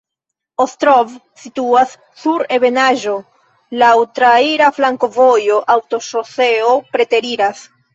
Ostrov situas sur ebenaĵo, laŭ traira flankovojo, aŭtoŝoseo preteriras.